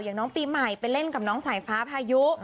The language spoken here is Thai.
น้องปีใหม่ไปเล่นกับน้องสายฟ้าพายุ